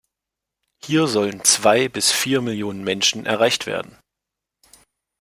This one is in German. Hier sollen zwei bis vier Millionen Menschen erreicht werden.